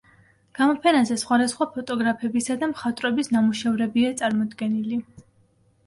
გამოფენაზე სხვადასხვა ფოტოგრაფებისა და მხატვრების ნამუშევრებია წარმოდგენილი.